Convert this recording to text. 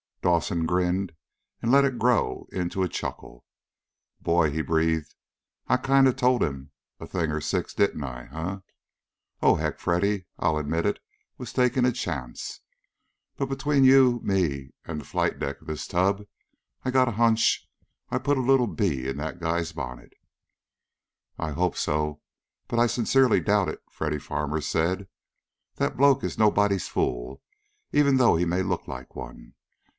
Dawson grinned and let it grow into a chuckle. "Boy!" he breathed. "I kind of told him a thing or six, didn't I, huh? Oh, heck, Freddy, I'll admit it was taking a chance. But between you, me, and the flight deck of this tub, I've got a hunch I put a little bee in that guy's bonnet." "I hope so, but I sincerely doubt it," Freddy Farmer said. "That bloke is nobody's fool, even though he may look like one.